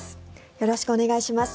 よろしくお願いします。